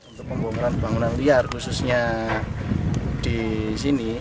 untuk pembongkaran bangunan liar khususnya disini